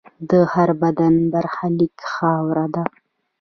د هر بدن برخلیک خاوره ده.